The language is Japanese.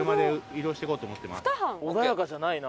穏やかじゃないな。